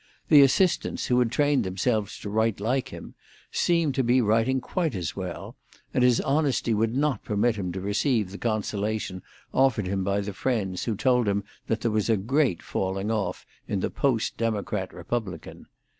The assistants, who had trained themselves to write like him, seemed to be writing quite as well, and his honesty would not permit him to receive the consolation offered him by the friends who told him that there was a great falling off in the Post Democrat Republican.